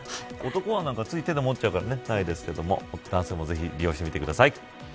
男は、つい手で持っちゃうからね男性もぜひ利用してみてください。